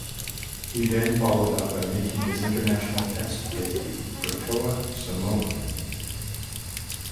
He then followed up by making his international test debut for Toa Samoa.